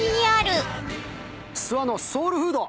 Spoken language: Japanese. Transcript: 諏訪のソウルフード